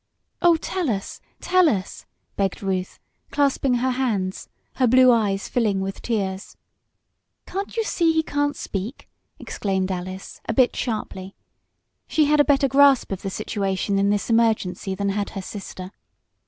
"Oh, tell us! Tell us!" begged Ruth, clasping her hands, her blue eyes filling with tears. "Can't you see he can't speak!" exclaimed Alice, a bit sharply. She had a better grasp of the situation in this emergency than had her sister.